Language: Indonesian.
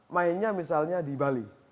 mainnya misalnya di bali